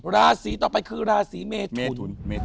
ราศีต่อไปคือราศีเมทุน